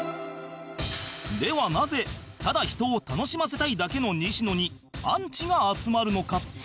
ではなぜただ人を楽しませたいだけの西野にアンチが集まるのか？